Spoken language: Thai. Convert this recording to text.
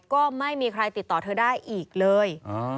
ก็ไม่มีใครติดต่อเธอได้อีกเลย